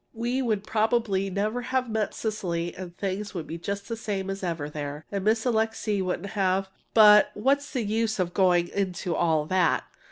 we would probably never have met Cecily, and things would be just the same as ever there, and Miss Alixe wouldn't have But what's the use of going into all that!